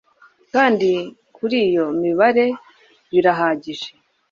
Kanda Kuri iyo mibare birahagije